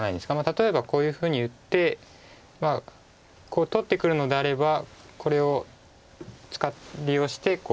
例えばこういうふうに打って取ってくるのであればこれを利用して整形する打ち方。